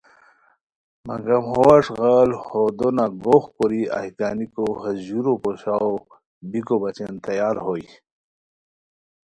مگم ہو اݱغال بو دونہ گوغ کوری ایہہ گنیکو ہیس ژورو پوشاؤ بیکو بچین تیار ہوئے